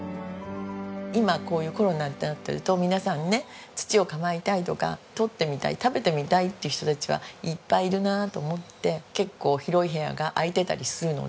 今こういうコロナってなってると皆さんね土を構いたいとか採ってみたい食べてみたいっていう人たちはいっぱいいるなあと思って。